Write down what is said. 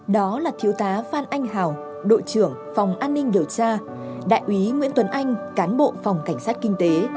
đó là thiếu tá phan anh hào đội trưởng phòng an ninh điều tra đại úy nguyễn tuấn anh cán bộ phòng cảnh sát kinh tế